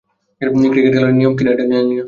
Cricket খেলার নিয়ম এটা কিনা জানি না।